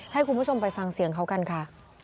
ให้คุณผู้ชมไปฟังเสียงเขากันค่ะ